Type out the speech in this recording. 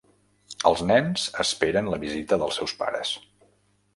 Els nens esperen la visita dels seus pares.